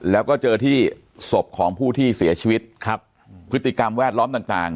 แล้วก็เจอที่ศพของผู้ที่เสียชีวิตครับพฤติกรรมแวดล้อมต่างต่าง